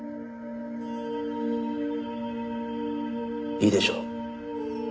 いいでしょう。